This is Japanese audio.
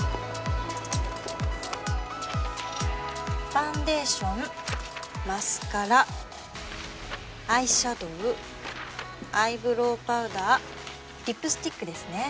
ファンデーションマスカラアイシャドーアイブロウパウダーリップスティックですね。